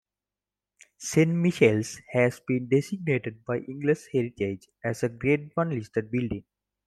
Saint Michael's has been designated by English Heritage as a Grade One listed building.